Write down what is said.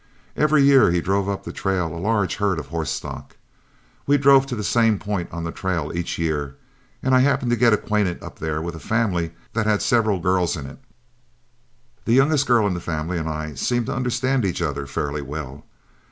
Every year he drove up the trail a large herd of horse stock. We drove to the same point on the trail each year, and I happened to get acquainted up there with a family that had several girls in it. The youngest girl in the family and I seemed to understand each other fairly well.